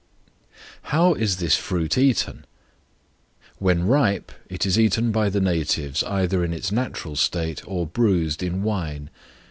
How is this fruit eaten? When ripe, it is eaten by the natives either in its natural state, or bruised in wine.